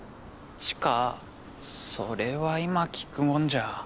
知花それは今聞くもんじゃ。